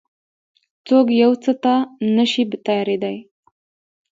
څوک يو څه ته نه شي تيارېدای.